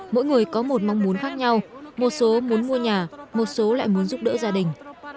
mỗi người có một mong muốn khác nhau một số muốn mua nhà một số lại muốn giúp đỡ gia đình